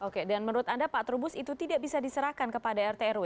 oke dan menurut anda pak trubus itu tidak bisa diserahkan kepada rt rw